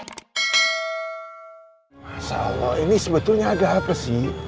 insya allah ini sebetulnya ada apa sih